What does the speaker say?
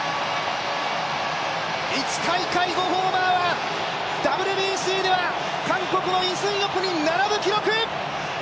１大会５ホーマーはＷＢＣでは韓国のイ・スンヨプに並ぶ記録。